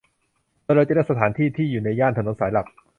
โดยเราจะเลือกสถานที่ที่อยู่ในย่านถนนสายหลัก